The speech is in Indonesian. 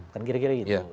kan giri giri gitu